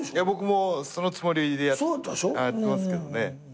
僕もそのつもりでやってますけどね。